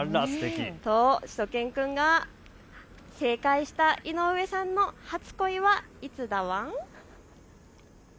としゅと犬くんが正解した井上さんの初恋はいつだワン？